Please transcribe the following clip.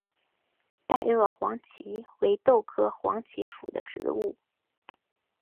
袋萼黄耆为豆科黄芪属的植物。